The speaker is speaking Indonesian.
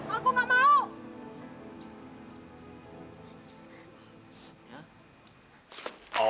aku nggak mau